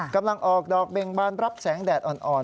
กำลังออกดอกเบ่งบานรับแสงแดดอ่อน